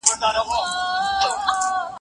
راروانې قافلې دي د جوګیانو